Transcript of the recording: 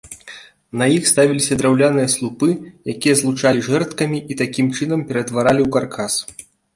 На іх ставіліся драўляныя слупы, якія злучалі жэрдкамі і такім чынам ператваралі ў каркас.